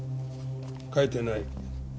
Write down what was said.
書いてない。